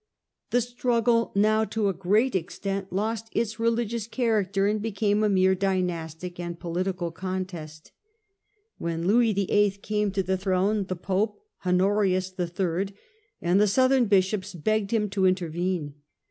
The struggle now to a great extent lost its religious character and became a mere dynastic and political contest. When Louis VIII. came to the throne the Pope, Honorius III., and the southern bishops begged him to intervene.